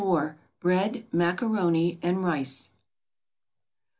BREAD, MACARONI, AND RICE.